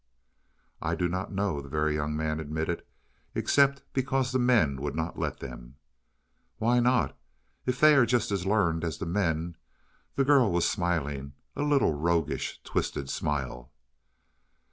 "I do not know," the Very Young Man admitted. "Except because the men would not let them." "Why not, if they are just as learned as the men?" The girl was smiling a little roguish, twisted smile.